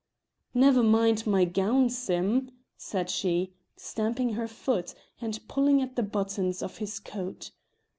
"Never mind my gown, Sim," said she, stamping her foot, and pulling at the buttons of his coat.